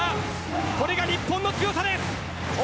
これが日本の強さです。